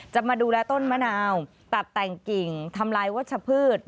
จะมาดูแลต้นมะนาวตัดแต่งกิ่งทำลายวัชพืช